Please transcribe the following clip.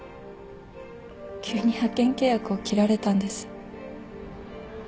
急に派遣契約を切られたんです。